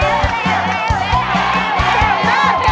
อิมีค์ดรึงอิมีค์เดียว